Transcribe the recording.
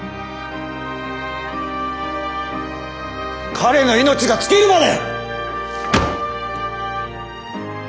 彼の命が尽きるまで！